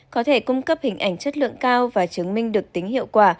có thể cung cấp hình ảnh chất lượng cao và chứng minh được tính hiệu quả